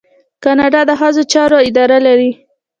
کاناډا د ښځو چارو اداره لري.